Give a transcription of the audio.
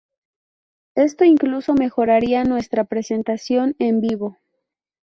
Esto incluso mejoraría nuestra presentación en vivo.